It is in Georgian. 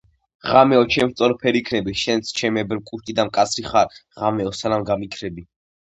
ღამეო ჩემ სწორფერ იქნები, შენც ჩემებრ კუშტი და მკაცრი ხარ, ღამეო სანამ გამიქრები.....